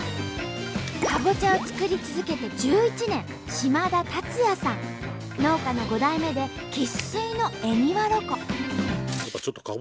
かぼちゃを作り続けて１１年農家の５代目で生っ粋の恵庭ロコ。